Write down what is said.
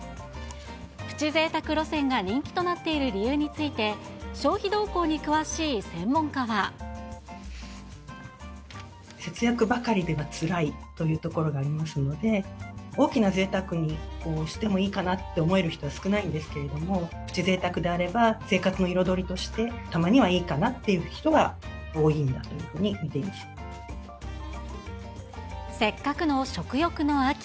プチぜいたく路線が人気となっている理由について、節約ばかりではつらいというところがありますので、大きなぜいたくをしてもいいかなと思える人は少ないんですけど、プチぜいたくであれば、生活の彩りとしてたまにはいいかなという人が多いんだというふうせっかくの食欲の秋。